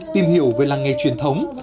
tìm hiểu về làng nghề truyền thống